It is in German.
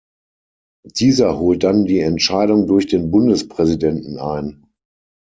Dieser holt dann die Entscheidung durch den Bundespräsidenten ein.